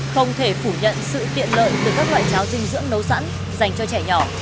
không thể phủ nhận sự tiện lợi từ các loại cháo dinh dưỡng nấu sẵn dành cho trẻ nhỏ